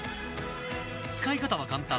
使い方は簡単。